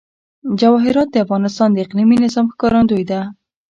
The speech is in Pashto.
جواهرات د افغانستان د اقلیمي نظام ښکارندوی ده.